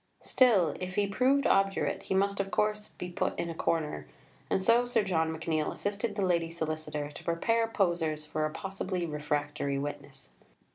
Still, if he proved obdurate he must of course "be put in a corner"; and so Sir John McNeill assisted the lady solicitor to prepare posers for a possibly refractory witness.